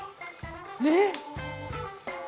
ねっ？